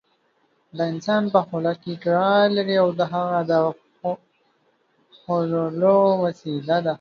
د انسان په خوله کې قرار لري او د هغه د ښورولو وسیله ده.